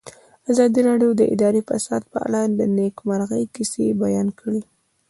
ازادي راډیو د اداري فساد په اړه د نېکمرغۍ کیسې بیان کړې.